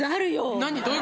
何？